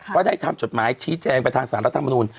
ว่าได้ทำจดหมายชี้แจงประธานสารรัฐธรรมนูล